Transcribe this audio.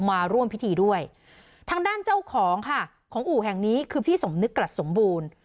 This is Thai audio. มาร่วมพิธีด้วยทางด้านเจ้าของค่ะของอู่แห่งนี้คือพี่สมนึกกลัดสมบูรณ์